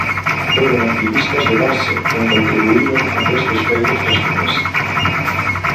Foron activistas de base quen contribuíron a que estes feitos transcendesen.